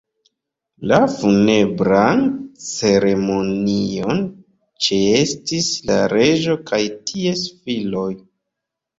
La funebran ceremonion ĉeestis la reĝo kaj ties filoj.